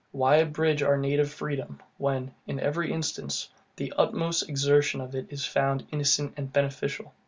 Why abridge our native freedom, when, in every instance, the utmost exertion of it is found innocent and beneficial?